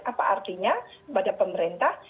apa artinya pada pemerintah